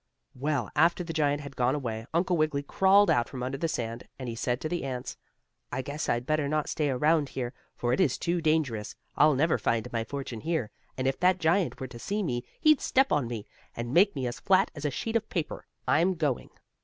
Well, after the giant had gone away, Uncle Wiggily crawled out from under the sand, and he said to the ants: "I guess I'd better not stay around here, for it is too dangerous. I'll never find my fortune here, and if that giant were to see me he'd step on me, and make me as flat as a sheet of paper. I'm going."